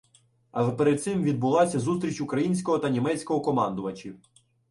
Але перед цим відбулася зустріч українського та німецького командувачів.